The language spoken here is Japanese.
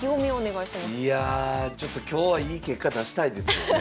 いやあ今日はいい結果出したいですよね。